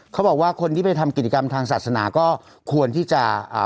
เขาบอกว่าคนที่ไปทำกิจกรรมทางศาสนาก็ควรที่จะอ่า